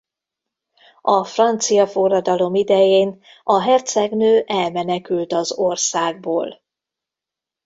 A francia forradalom idején a hercegnő elmenekült az országból.